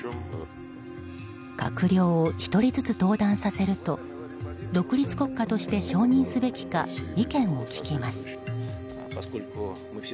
閣僚を１人ずつ登壇させると独立国家として承認すべきか意見を聞きます。